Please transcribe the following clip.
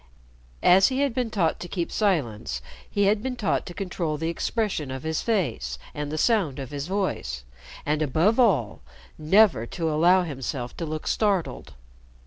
As he had been taught to keep silence, he had been taught to control the expression of his face and the sound of his voice, and, above all, never to allow himself to look startled.